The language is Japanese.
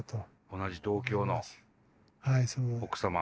同じ同郷の奥様。